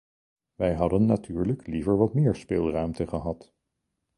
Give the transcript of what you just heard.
Wij hadden natuurlijk liever wat meer speelruimte gehad.